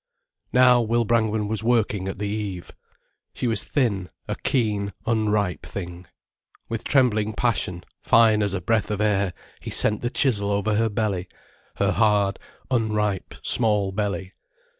Now, Will Brangwen was working at the Eve. She was thin, a keen, unripe thing. With trembling passion, fine as a breath of air, he sent the chisel over her belly, her hard, unripe, small belly.